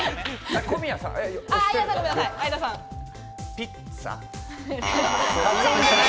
ピッツァ。